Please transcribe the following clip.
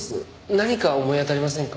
何か思い当たりませんか？